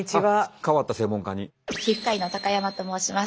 皮膚科医の高山と申します。